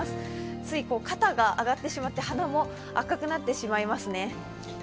つい肩が上がってしまって鼻も赤くなってしまいますね。